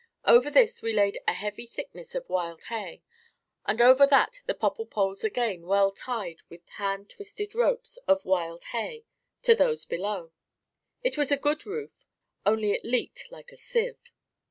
Over this we laid a heavy thickness of wild hay, and over that the popple poles again well tied with hand twisted ropes of wild hay, to those below. It was a good roof, only it leaked like a sieve.